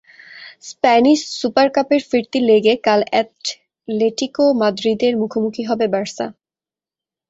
Spanish super কাপের ফিরতি লেগে কাল অ্যাটলেটিকো মাদ্রিদের মুখোমুখি হবে বার্সা।